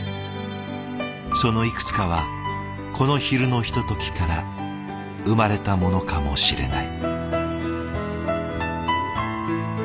そのいくつかはこの昼のひとときから生まれたものかもしれない。